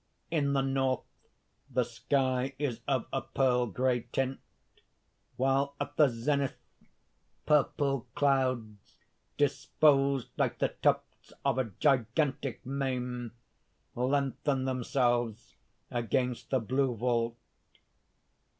In the north the sky is of a pearl gray tint, while at the zenith purple clouds disposed like the tufts of a gigantic mane, lengthen themselves against the blue vault.